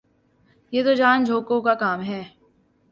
یہ تو جان جوکھوں کا کام ہے